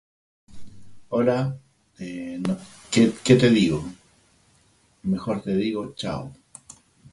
Kazuhiro Sato